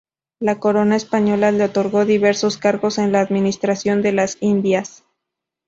La Corona española le otorgó diversos cargos en la administración de las Indias.